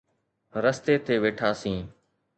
رستي تي ويٺاسين.